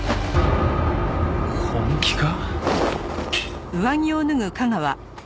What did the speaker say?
本気か？